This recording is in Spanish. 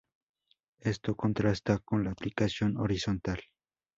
Esto contrasta con la aplicación horizontal.